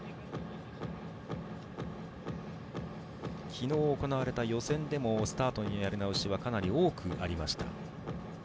昨日行われた予選でもスタートのやり直しがかなり多くありました。